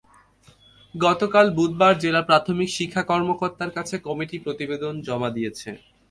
গতকাল বুধবার জেলা প্রাথমিক শিক্ষা কর্মকর্তার কাছে কমিটি প্রতিবেদন জমা দিয়েছে।